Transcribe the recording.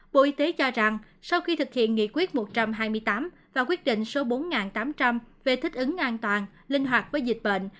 bộ y tế cho rằng sau khi thực hiện nghị quyết một trăm hai mươi tám và quyết định số bốn nghìn tám trăm linh về thích ứng an toàn linh hoạt với dịch bệnh